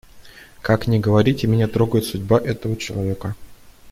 Как ни говорите, меня трогает судьба этого человека.